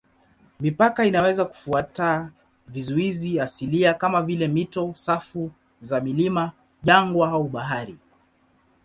Mipaka inaweza kufuata vizuizi asilia kama vile mito, safu za milima, jangwa au bahari.